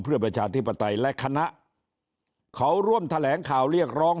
เพื่อประชาธิปไตยและคณะเขาร่วมแถลงข่าวเรียกร้อง